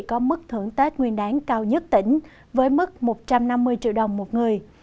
có mức thưởng tết nguyên đáng cao nhất tỉnh với mức một trăm năm mươi triệu đồng một người